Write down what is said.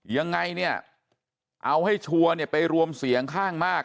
ยังไงเนี่ยเอาให้ชัวร์เนี่ยไปรวมเสียงข้างมาก